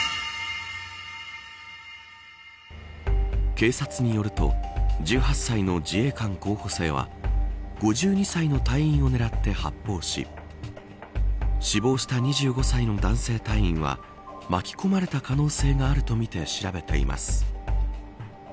警察によると１８歳の自衛官候補生は５２歳の隊員を狙って発砲し死亡した２５歳の男性隊員は巻き込まれた可能性があるとみて調べています。